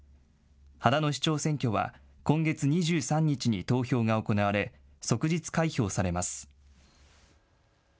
秦野市長選挙は今月２３日に投票が行われ、即日開票されます。